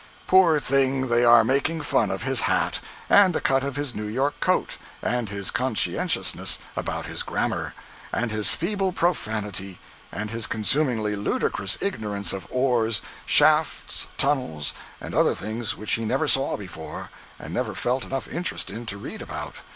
Poor thing, they are making fun of his hat; and the cut of his New York coat; and his conscientiousness about his grammar; and his feeble profanity; and his consumingly ludicrous ignorance of ores, shafts, tunnels, and other things which he never saw before, and never felt enough interest in to read about.